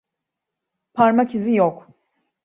Parmak izi yok.